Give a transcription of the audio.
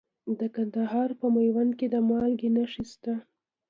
د کندهار په میوند کې د مالګې نښې شته.